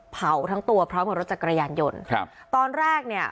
เผาทั้งตัวพร้อมกับรถจักรยานยนต์ครับตอนแรกเนี่ย